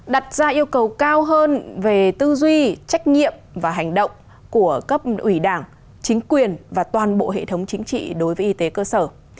đặt ra yêu cầu cao hơn về tư duy trách nhiệm và hành động của cấp ủy đảng chính quyền và toàn bộ hệ thống chính trị đối với y tế cơ sở